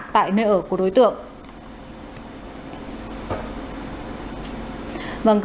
tại nơi ở của đối tượng